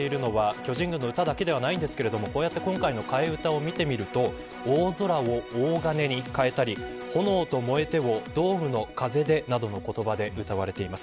替え歌が歌われているのは巨人軍の歌だけではないんですがこうやって今回の替え歌を見ると大空を大金に変えたり炎と燃えてをドームの風でなどの言葉で歌われています。